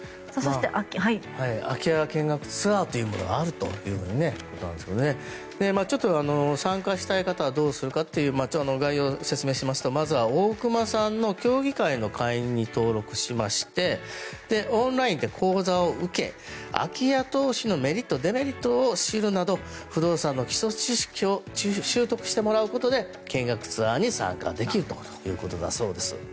空き家見学ツアーというものがあるということですが参加したい方はどうするかという概要を説明しますとまずは大熊さんの協議会の会員に登録しましてオンラインで講座を受け空き家投資のメリット、デメリットを知るなど不動産の基礎知識を習得してもらうことで見学ツアーに参加できるということだそうです。